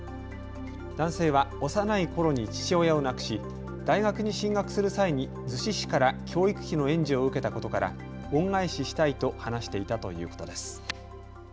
男性は幼いころに父親を亡くし大学に進学する際に逗子市から教育費の援助を受けたことから恩返ししたいと話していたということです。